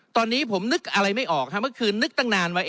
ตอนนี้ผมนึกอะไรไม่ออกครับเมื่อคืนนึกตั้งนานว่า